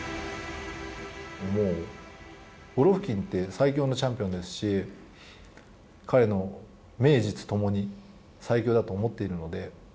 もうゴロフキンって最強のチャンピオンですし彼の名実ともに最強だと思っているので。